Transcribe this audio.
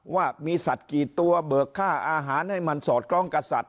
ว่ามีสัตว์กี่ตัวเบิกค่าอาหารให้มันสอดคล้องกับสัตว